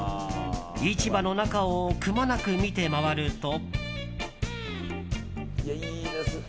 市場の中をくまなく見て回ると。